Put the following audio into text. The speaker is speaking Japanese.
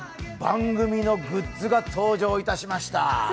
番組のグッズが登場いたしました。